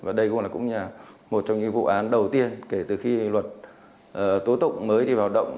và đây cũng là một trong những vụ án đầu tiên kể từ khi luật tố tụng mới đi vào động